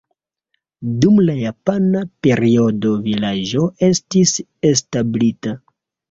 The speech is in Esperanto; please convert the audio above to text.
Dum la japana periodo vilaĝo estis establita.